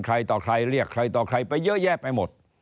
ใครต่อใครเรียกใครต่อใครไปเยอะแยะไปหมด